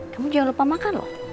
kamu jangan lupa makan loh